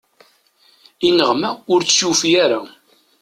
Ineɣma ur tt-yufi ara.